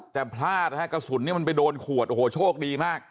แต่พลาดนะฮะกระสุนเนี่ยมันไปโดนขวดโอ้โหโชคดีมาก